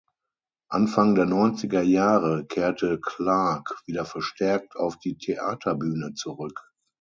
Anfang der neunziger Jahre kehrte Clarke wieder verstärkt auf die Theaterbühne zurück.